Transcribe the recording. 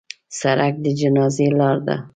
سړک د جنازې لار ده.